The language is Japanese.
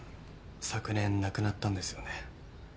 昨年亡くなったんですよね？